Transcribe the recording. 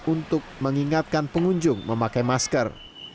untuk mengingatkan pengunjung memakai masker